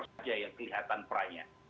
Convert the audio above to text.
saja yang kelihatan perannya